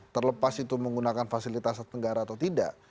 terlepas itu menggunakan fasilitas negara atau tidak